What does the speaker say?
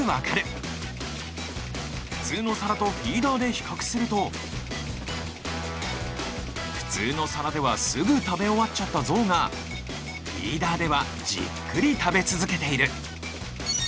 普通の皿とフィーダーで比較すると普通の皿ではすぐ食べ終わっちゃったゾウがフィーダーではじっくり食べ続けている！